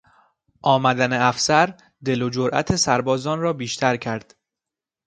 آمدن افسر دل و جرات سربازان را بیشتر کرد.